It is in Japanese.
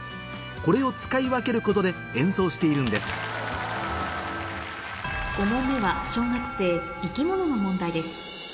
これを使い分けることで演奏しているんです５問目は小学生生き物の問題です